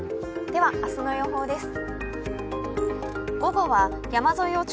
では、明日の予報です。